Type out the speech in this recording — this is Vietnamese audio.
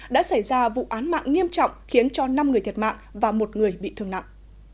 đã xảy ra vụ án mạng nghiêm trọng khiến cho năm người thiệt mạng và một người bị thương nặng